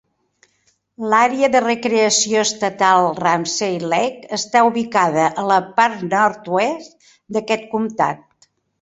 L'àrea de recreació estatal Ramsey Lake està ubicada a la part nord-oest d'aquest comtat.